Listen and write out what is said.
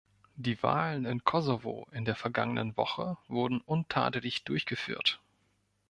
Die Wahlen im Kosovo in der vergangenen Woche wurden untadelig durchgeführt.